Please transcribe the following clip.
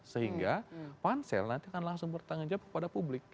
sehingga pansel nanti akan langsung bertanggung jawab kepada publik